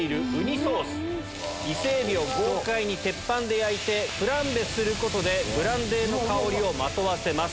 イセエビを豪快に鉄板で焼いてフランベすることでブランデーの香りをまとわせます。